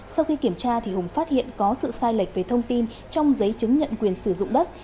sau khi kiểm tra hùng phát hiện có sự sai lệch về thông tin trong giấy chứng nhận quyền sử dụng đất